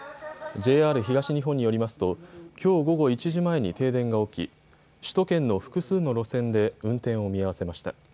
ＪＲ東日本によりますときょう午後１時前に停電が起き、首都圏の複数の路線で運転を見合わせました。